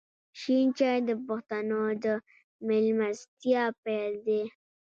شین چای د پښتنو د میلمستیا پیل دی.